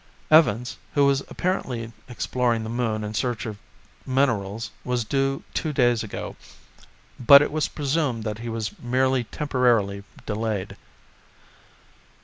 Evans, who was apparently exploring the Moon in search of minerals was due two days ago, but it was presumed that he was merely temporarily delayed.